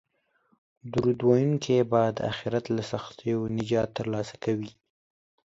درود ویونکی به د اخرت له سختیو نجات ترلاسه کوي